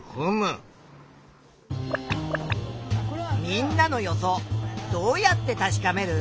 みんなの予想どうやって確かめる？